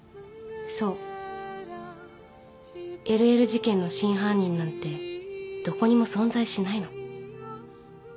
ＬＬ 事件の真犯人なんてどこにも存在しないの